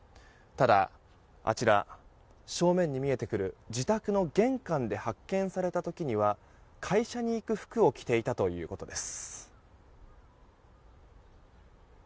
ただあちら正面に見えてくる自宅の玄関で発見された時には会社に行く服を着ていたということです。